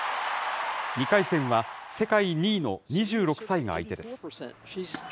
２回戦は、世界２位の２６歳が相手です。